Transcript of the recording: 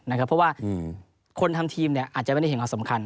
เพราะว่าคนทำทีมอาจจะไม่ได้เห็นความสำคัญ